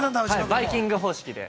バイキング方式で。